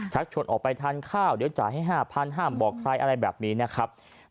ชวนออกไปทานข้าวเดี๋ยวจ่ายให้๕๐๐ห้ามบอกใครอะไรแบบนี้นะครับ